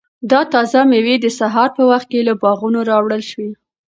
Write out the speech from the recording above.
دا تازه مېوې د سهار په وخت کې له باغونو راوړل شوي.